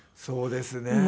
そうですね。